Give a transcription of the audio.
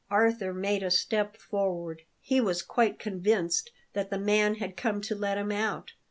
Arthur made a step forward; he was quite convinced that the man had come to let him out.